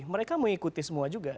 mereka mengikuti semua juga